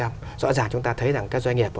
rõ ràng chúng ta thấy rằng các doanh nghiệp